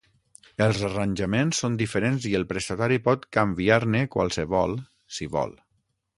Els arranjaments són diferents i el prestatari pot canviar-ne qualsevol si vol.